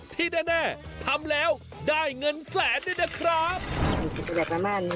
ที่แน่ทำแล้วได้เงินแสนด้วยนะครับ